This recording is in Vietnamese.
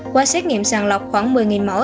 qua xét nghiệm sàn lọc khoảng một mươi mẫu